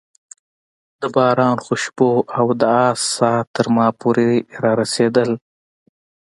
د باران خوشبو او د آس ساه تر ما پورې رارسېدل.